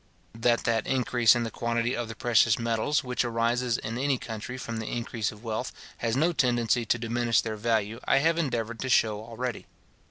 That that increase in the quantity of the precious metals, which arises in any country from the increase of wealth, has no tendency to diminish their value, I have endeavoured to shew already.